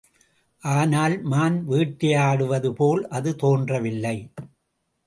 ஆனால், மான் வேட்டையாடுவது போல் அது தோன்றவில்லை.